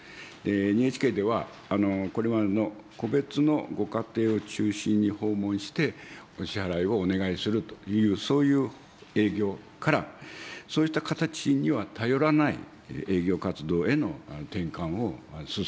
ＮＨＫでは、これまでの個別のご家庭を中心に訪問して、支払いをお願いするという、そういう営業から、そうした形には頼らない営業活動への転換を進めているところでございます。